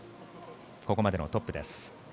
ここまでのトップです。